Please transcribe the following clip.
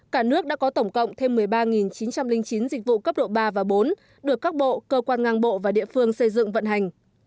cả nước đã có tổng cộng thêm một mươi ba chín trăm linh chín dịch vụ cấp độ ba và bốn được các bộ cơ quan ngang bộ và địa phương xây dựng vận hành